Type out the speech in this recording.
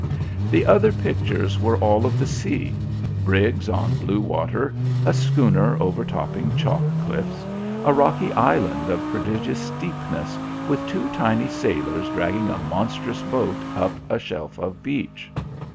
The other pictures were all of the sea: brigs on blue water; a schooner overtopping chalk cliffs; a rocky island of prodigious steepness, with two tiny sailors dragging a monstrous boat up a shelf of beach.